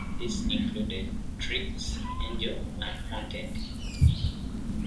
These included "Tricks", "Angel" and "Haunted".